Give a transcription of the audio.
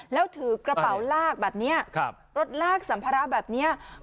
แล้วถือกระเป๋าลากแบบนี้รถลากสัมภาระแบบนี้